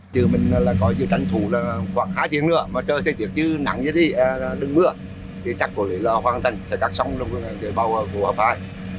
chứ mình là có gì tránh thủ là khoảng hai tiếng nữa mà trời thế thiệt chứ nắng như thế thì đứng mưa thì chắc rồi là hoàn thành sẽ gạt xong rồi bảo hợp phải